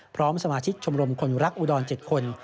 พร้อมสมาชิกชมรมคนรักอุดร๗คน